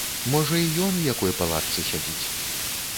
Можа, і ён у якой палатцы сядзіць.